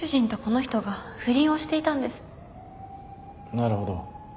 なるほど。